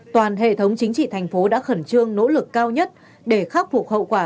toàn hệ thống chính trị thành phố đã khẩn trương nỗ lực cao nhất để khắc phục hậu quả